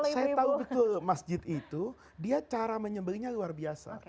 saya tahu betul masjid itu dia cara menyembelihnya luar biasa